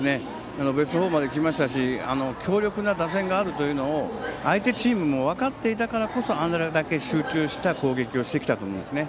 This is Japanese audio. ベスト４まで来ましたし強力な打線があるというのを相手チームも分かっていたからこそあれだけ集中した攻撃をしてきたと思うんですね。